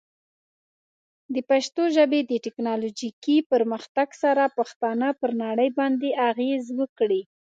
د پښتو ژبې د ټیکنالوجیکي پرمختګ سره، پښتانه پر نړۍ باندې اغېز وکړي.